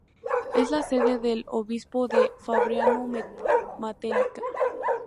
Es la sede del Obispo de Fabriano-Matelica.